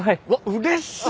うれしい！